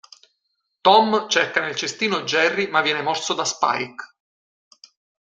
Tom cerca nel cestino Jerry, ma viene morso da Spike.